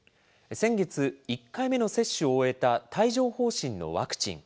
先月、１回目の接種を終えた帯状ほう疹のワクチン。